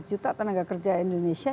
empat juta tenaga kerja indonesia